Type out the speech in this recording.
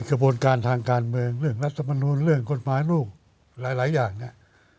กระบวนการทางการเมืองเรื่องรัฐมนูลเรื่องกฎหมายลูกหลายอย่างเนี่ย